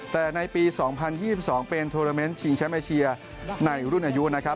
แต่ในปี๒๐๒๒เป็นทวิปไอเชียในรุ่นอายุนะครับ